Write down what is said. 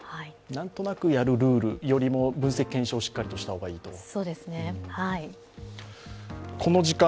なんとなくやるルールよりも、分析・検証をしっかりした方がいいと。